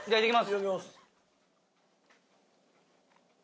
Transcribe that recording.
いただきます。